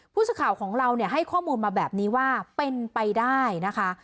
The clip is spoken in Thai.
ผู้สื่อข่าวของเราให้ข้อมูลมาแบบนี้ว่าเป็นไปได้นะคะ